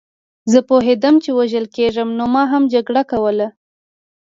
زه پوهېدم چې وژل کېږم نو ما هم جګړه کوله